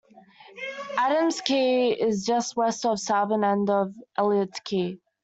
Adams Key is just west of the southern end of Elliott Key.